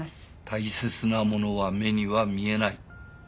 「大切なものは目には見えない」。